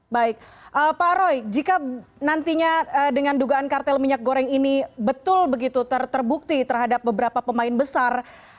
baik pak roy jika nantinya dengan dugaan kartel minyak goreng ini betul begitu terbukti terhadap beberapa pemain besar